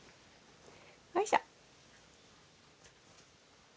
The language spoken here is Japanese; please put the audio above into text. おいしょ。